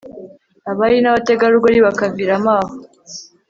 abari n'abategarugori bakaviramo aho